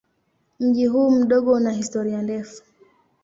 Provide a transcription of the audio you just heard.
Mji huu mdogo una historia ndefu.